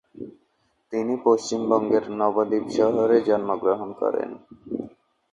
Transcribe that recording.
তিনি পশ্চিমবঙ্গের নবদ্বীপ শহরে জন্মগ্রহণ করেন।